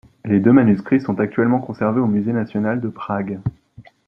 Les deux manuscrits sont actuellement conservés au musée national de Prague.